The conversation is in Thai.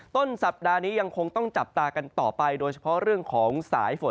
ต้นสัปดาห์นี้ยังคงต้องจับตากันต่อไปโดยเฉพาะเรื่องของสายฝน